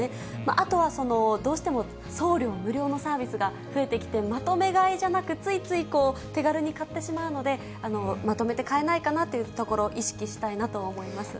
あとはどうしても、送料無料のサービスが増えてきて、まとめ買いじゃなく、ついつい手軽に買ってしまうので、まとめて買えないかなというところ、意識したいなと思います。